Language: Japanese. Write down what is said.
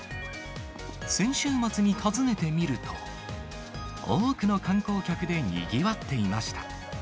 先週末に訪ねてみると、多くの観光客でにぎわっていました。